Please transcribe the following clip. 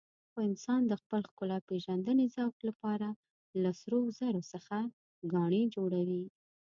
خو انسان د خپل ښکلاپېژندنې ذوق لپاره له سرو زرو څخه ګاڼې جوړوي.